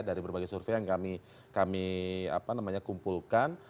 dari berbagai survei yang kami kumpulkan